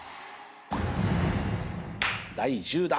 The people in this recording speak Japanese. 第１０打。